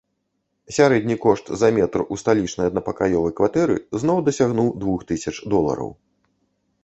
Сярэдні кошт за метр у сталічнай аднапакаёвай кватэры зноў дасягнуў двух тысяч долараў.